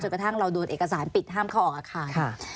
กระทั่งเราโดนเอกสารปิดห้ามเข้าออกอาคาร